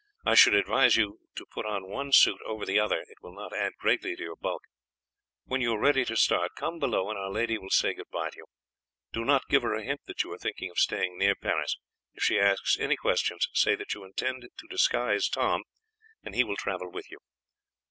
I should advise you to put on one suit over the other, it will not add greatly to your bulk. When you are ready to start, come below and our lady will say good bye to you. Do not give her a hint that you are thinking of staying near Paris; if she asks any questions say that you intend to disguise Tom, and he will travel with you."